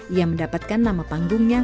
ia mendapatkan nama panggungnya